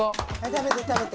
食べて食べて！